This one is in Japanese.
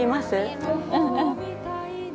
うんうん。